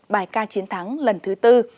bài ca chiến thắng lần thứ tư